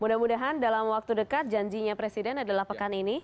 mudah mudahan dalam waktu dekat janjinya presiden adalah pekan ini